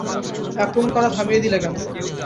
আক্রমণ করা থামিয়ে দিলে কেন?